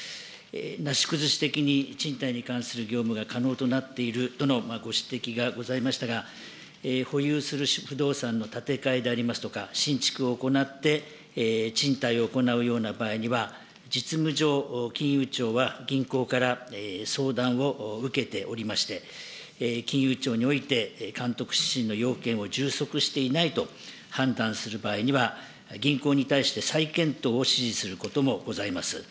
なし崩し的に賃貸に関する業務が可能となっているとのご指摘がございましたが、保有する不動産の建て替えでありますとか、新築を行って、賃貸を行うような場合には、実務上、金融庁は銀行から相談を受けておりまして、金融庁において、監督指針の要件を充足していないと判断する場合には、銀行に対して再検討を指示することもございます。